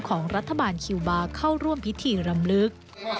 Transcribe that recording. ของรัฐบาลคิวบาร์เข้าร่วมพิธีรำลึก